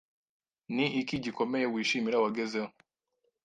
Ni iki gikomeye wishimira wagezeho